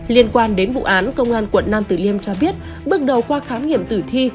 liên quan đến vụ án công an quận nam tử liêm cho biết bước đầu qua khám nghiệm tử thi